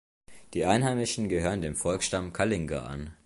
Die Einheimischen gehören dem Volksstamm Kalinga an.